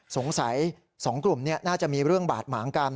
สงสัย๒กลุ่มน่าจะมีเรื่องบาดหมางกัน